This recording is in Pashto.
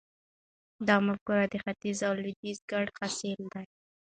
دا مفکوره د ختیځ او لویدیځ ګډ حاصل دی.